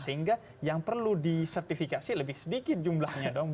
sehingga yang perlu disertifikasi lebih sedikit jumlahnya dong